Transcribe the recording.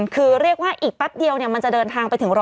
คืออีกปั๊บเดียวมันจะเดินทางไปถึง๑๐๐